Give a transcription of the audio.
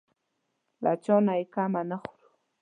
له چا نه یې کمه نه خورو.